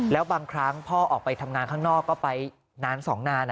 แล้วบางครั้งพ่อออกไปทำงานข้างนอกก็ไปนาน๒นาน